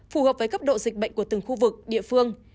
phù hợp với cấp độ dịch bệnh của từng khu vực địa phương